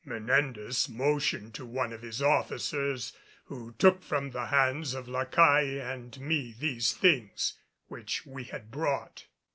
Menendez motioned to one of his officers, who took from the hands of La Caille and me these things which we had brought.